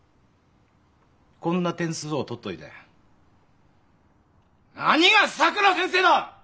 こんな点数を取っておいて何がさくら先生だ！